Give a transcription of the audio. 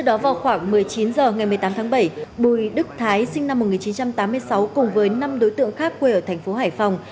đó vào khoảng một mươi chín h ngày một mươi tám tháng bảy bùi đức thái sinh năm một nghìn chín trăm tám mươi sáu cùng với năm đối tượng khác quê ở thành phố hải phòng